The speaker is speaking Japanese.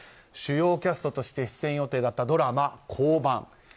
主要キャストとして出演予定だったドラマ降板。